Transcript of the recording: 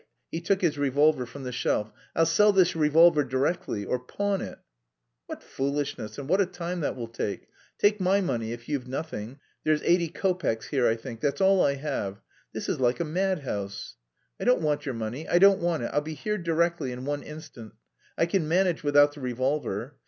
he took his revolver from the shelf, "I'll sell this revolver directly... or pawn it...." "What foolishness and what a time that will take! Take my money if you've nothing, there's eighty kopecks here, I think; that's all I have. This is like a madhouse." "I don't want your money, I don't want it I'll be here directly, in one instant. I can manage without the revolver...."